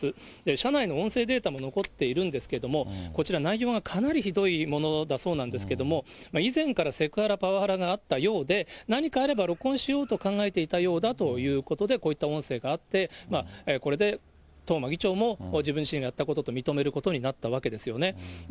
車内の音声データも残っているんですけれども、こちら、内容がかなりひどいものだそうなんですけれども、以前からセクハラ、パワハラがあったようで、何かあれば録音しようと考えていたようだということで、こういった音声があって、これで東間議長も、自分自身がやったことと認めることとなったわけですよね。